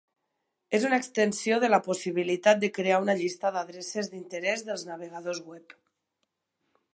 És una extensió de la possibilitat de crear una llista d'adreces d'interès dels navegadors web.